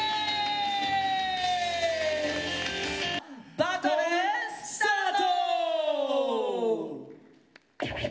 バトルスタート。